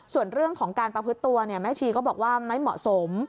ส่วนเรื่องของการประพฤติตัวแม่ชีก็บอกว่าไม่เหมาะสม